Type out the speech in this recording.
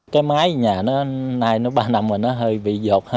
cái máy nhà này ba năm rồi nó hơi bị dột